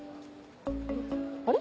あれ？